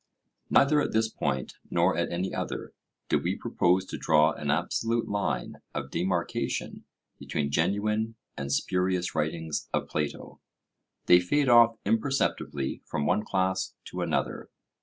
Neither at this point, nor at any other, do we propose to draw an absolute line of demarcation between genuine and spurious writings of Plato. They fade off imperceptibly from one class to another.